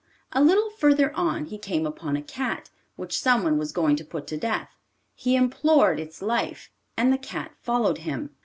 A little further on he came upon a cat, which someone was going to put to death. He implored its life, and the cat followed him.